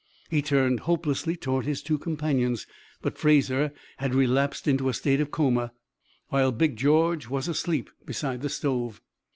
He turned hopelessly toward his two companions, but Fraser had relapsed into a state of coma, while Big George was asleep beside the stove.